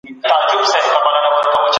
ایا دوراني پانګه بازار ته ګټه رسوي؟